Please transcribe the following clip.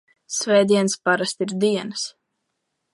Svētdienas parasti ir dienas.